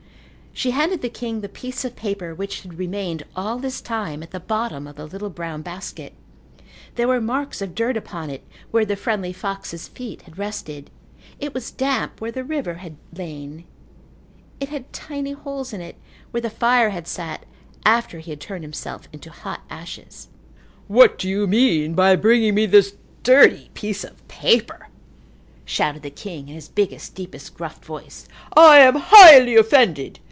She handed the king the piece of paper which had remained all this time at the bottom of the little brown basket. There were marks of dirt upon it where the friendly fox's feet had rested. It was damp where the river had lain. It had tiny holes in it where the fire had sat after he had turned himself into hot ashes. "What do you mean by bringing me this dirty piece of paper?" shouted the king in his biggest, deepest, gruffest voice. "I am highly offended.